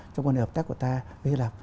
trong quan hệ hợp tác của ta với hy lạp